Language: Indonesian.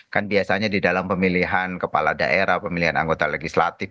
kan biasanya di dalam pemilihan kepala daerah pemilihan anggota legislatif